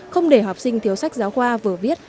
không để học sinh thiếu sách giáo khoa vừa viết